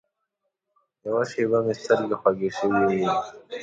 یوه شېبه مې سترګې خوږې شوې وې.